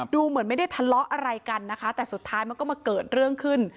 ดูเหมือนไม่ได้ทะเลาะอะไรกันนะคะแต่สุดท้ายมันก็มาเกิดเรื่องขึ้น